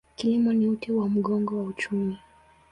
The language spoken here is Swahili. Kilimo ni uti wa mgongo wa uchumi.